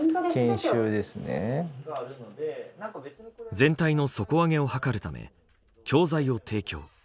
全体の底上げを図るため教材を提供。